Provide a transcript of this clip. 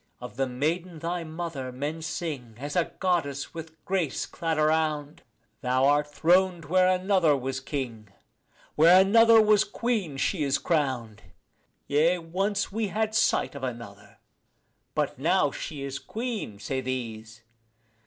Of the maiden thy mother men sing as a goddess with grace clad around; Thou art throned where another was king; where another was queen she is crowned. Yea, once we had sight of another: but now she is queen, say these.